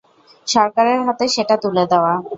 সরকারের হাতে সেটা তুলে দেওয়া।